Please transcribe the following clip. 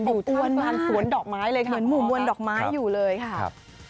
เหมือนหมู่มวลดอกไม้อยู่เลยค่ะ